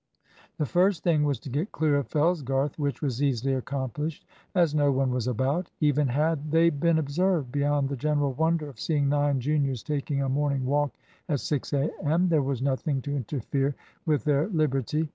The first thing was to get clear of Fellsgarth, which was easily accomplished, as no one was about. Even had they been observed, beyond the general wonder of seeing nine juniors taking a morning walk at 6 a.m., there was nothing to interfere with their liberty.